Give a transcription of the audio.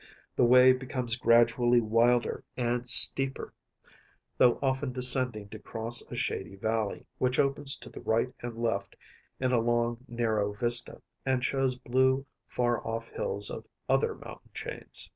The way becomes gradually wilder and steeper, though often descending to cross a shady valley, which opens to the right and left, in a long, narrow vista, and shows blue far off hills of other mountain chains.